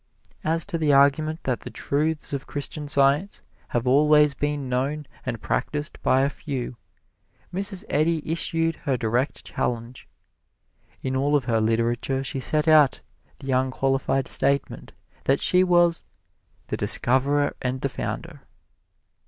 As to the argument that the truths of Christian Science have always been known and practised by a few, Mrs. Eddy issued her direct challenge. In all of her literature she set out the unqualified statement that she was "The Discoverer and the Founder."